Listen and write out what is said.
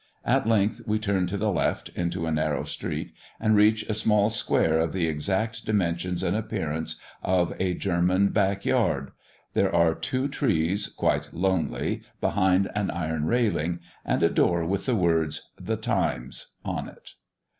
At length we turn to the left, into a narrow street, and reach a small square of the exact dimensions and appearance of a German back yard. There are two trees quite lonely behind an iron railing, and a door with the words "THE TIMES" on it.